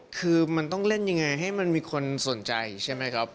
คือมันต้องเล่นยังไงให้มันมีคนสนใจใช่ไหมครับ